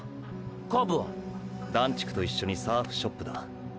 鏑木は⁉段竹と一緒にサーフショップだ。